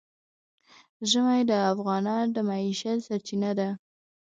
ژمی د افغانانو د معیشت سرچینه ده.